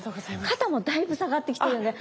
肩もだいぶ下がってきてるんで。